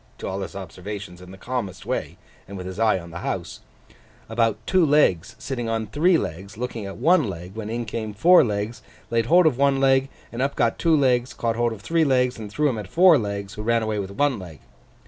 to all his observations in the calmest way, and with his eye on the house) about two legs sitting on three legs looking at one leg, when in came four legs, and laid hold of one leg, and up got two legs, caught hold of three legs, and threw 'em at four legs, who ran away with one leg.